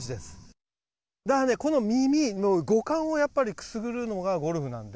この耳の、五感をくすぐるのがゴルフなので。